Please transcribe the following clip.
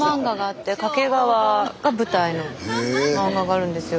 スタジオ掛川が舞台の漫画があるんですよ。